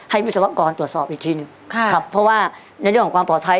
วิศวกรตรวจสอบอีกทีหนึ่งครับเพราะว่าในเรื่องของความปลอดภัย